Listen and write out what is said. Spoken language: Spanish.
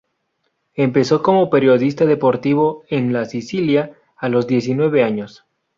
Empezó como periodista deportivo en "La Sicilia" a los diecinueve años.